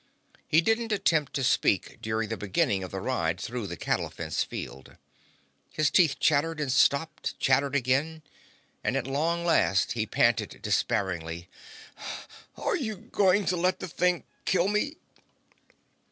He didn't attempt to speak during the beginning of the ride through the cattle fence field. His teeth chattered, and stopped, and chattered again, and at long last he panted despairingly: "Are you going to let the thing kill me?"